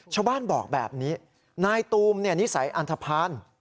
ชาวบ้านบอกแบบนี้นายตูมนิสัยอันทภาณ